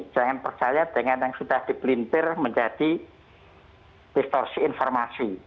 jangan percaya dengan yang sudah dipelintir menjadi distorsi informasi